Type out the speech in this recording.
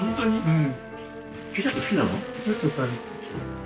うん。